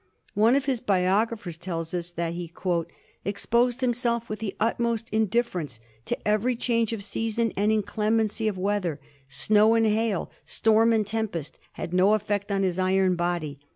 One of his biogra phers tells us that '^ he exposed himself with the utmost indifference to every change of season and inclemency of weather ; snow and hail, storm and tempest, had no effect on his iron body.